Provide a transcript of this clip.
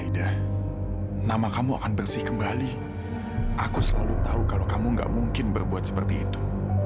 dan saya juga terbiasa membawa pasien dengan kondisi yang seperti ini